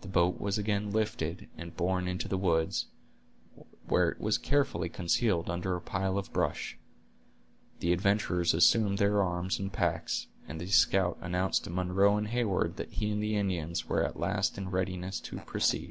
The boat was again lifted and borne into the woods, where it was carefully concealed under a pile of brush. The adventurers assumed their arms and packs, and the scout announced to Munro and Heyward that he and the Indians were at last in readiness to proceed.